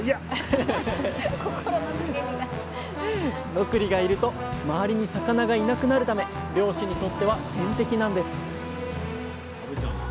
ノクリがいると周りに魚がいなくなるため漁師にとっては天敵なんです